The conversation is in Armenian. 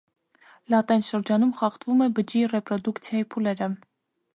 Լատենտ շրջանում խախտվում է բջջի ռեպրոդուկցիայի փուլերը։